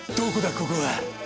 ここは。